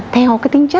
theo cái tinh chất